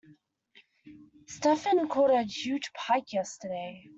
Stephen caught a huge pike yesterday